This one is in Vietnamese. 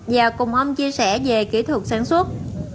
và cùng ông chia sẻ về kỹ thuật sản xuất